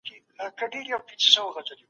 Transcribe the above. هغوی دروغ ویلي وو.